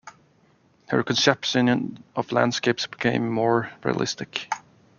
Her conception of landscapes became more realistic.